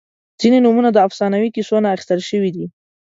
• ځینې نومونه د افسانوي کیسو نه اخیستل شوي دي.